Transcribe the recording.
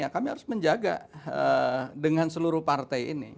kami harus menjaga dengan seluruh partai ini